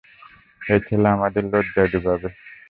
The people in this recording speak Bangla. এই ছেলে আমাদের লজ্জায় ডোবাবে।